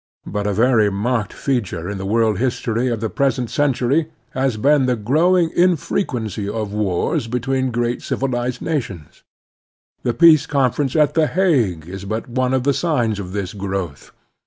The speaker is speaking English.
But a very marked feature in the world history of the present century has been the groT?vnng infrequency of wars between great civilized nations. The Peace Conference at The Hague is but one of the signs of this growth.